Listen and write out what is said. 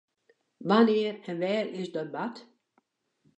Wannear en wêr is dat bard?